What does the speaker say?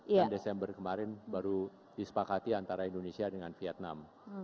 dan desember kemarin baru disepakati antara indonesia dengan vietnam